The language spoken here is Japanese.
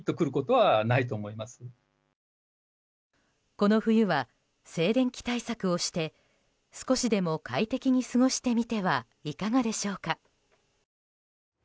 この冬は、静電気対策をして少しでも快適に過ごしてみてはいかがでしょうか。